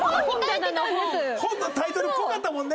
本のタイトルぽかったもんね。